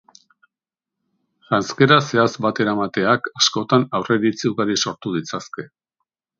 Janzkera zehatz bateramateak askotan aurreiritzi ugari sortu ditzazke.